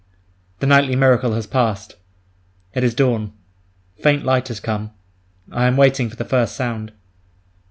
The nightly miracle has passed. It is dawn. Faint light has come. I am waiting for the first sound.